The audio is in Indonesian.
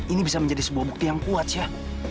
ini bisa menjadi sebuah bukti yang kuat ya